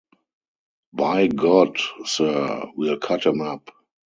By God Sir, we'll cut 'em up!